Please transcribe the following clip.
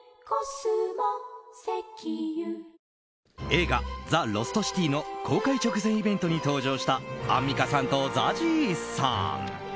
映画「ザ・ロストシティ」の公開直前イベントに登場したアンミカさんとＺＡＺＹさん。